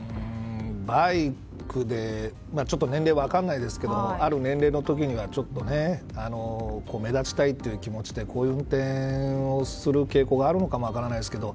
バイクでちょっと年齢分からないですけどある年齢のときにはちょっと目立ちたいという気持ちでこういう運転をする傾向があるのかも分からないですけど